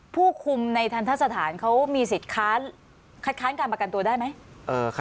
ผู้คุมในทันทะสถานเขามีสิทธิ์คัดค้านการประกันตัวได้ไหม